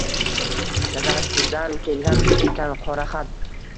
Dadasidan kelgan ekan qora xat.